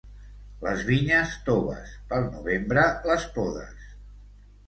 Les vinyes toves, pel novembre les podes.